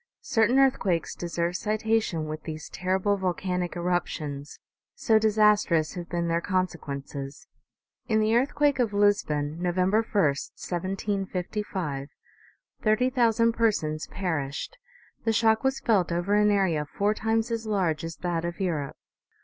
Certain earthquakes deserve citation with these terrible volcanic eruptions, so disastrous have been their consequences. In the earthquake of Lisbon, November i, 1755, thirty thousand persons perished ; the shock was felt over an area four times as large as that of Europe.